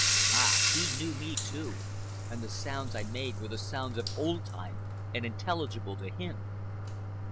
Ah, he knew me, too, and the sounds I made were the sounds of old time and intelligible to him.